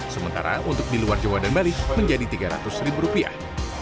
sementara untuk di luar jawa dan bali menjadi tiga ratus ribu rupiah